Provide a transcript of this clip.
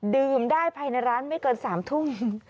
ดื่มได้ภายในร้านไม่เกิน๓ทุ่ม